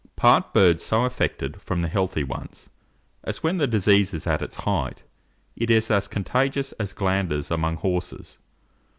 Part birds so affected from the healthy ones, as, when the disease is at its height it is as contagious as glanders among horses.